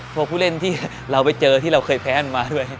พวกผู้เล่นที่เราไปเจอที่เราเคยแพ้มันมาด้วย